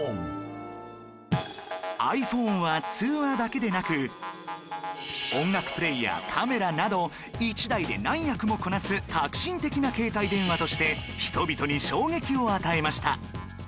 ｉＰｈｏｎｅ は通話だけでなく音楽プレーヤーカメラなど一台で何役もこなす革新的な携帯電話として人々に衝撃を与えました